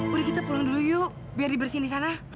boleh kita pulang dulu yuk biar dibersihin di sana